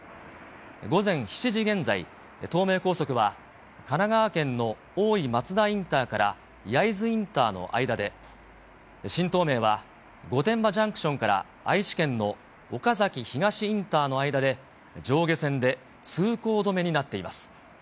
午前７時現在、東名高速は、神奈川県の大井松田インターから焼津インターの間で、新東名は御殿場ジャンクションから愛知県の岡崎東インターの間で、上下線で通行止めになっています。